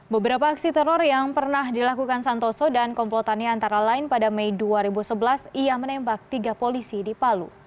beberapa aksi teror yang pernah dilakukan santoso dan komplotannya antara lain pada mei dua ribu sebelas ia menembak tiga polisi di palu